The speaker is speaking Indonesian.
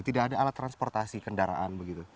tidak ada alat transportasi kendaraan begitu